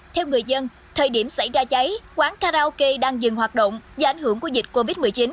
theo người dân thời điểm xảy ra cháy quán karaoke đang dừng hoạt động do ảnh hưởng của dịch covid một mươi chín